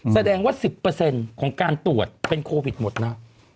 แสดงว่า๑๐ของการตรวจเป็นโควิดหมดนะ